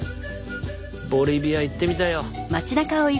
ボリビア行ってみたいよ。